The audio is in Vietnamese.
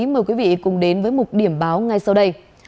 mời quý vị cùng đến với một điểm báo ngay sau đây